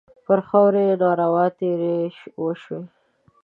پر خاوره یې ناروا تېری وشو.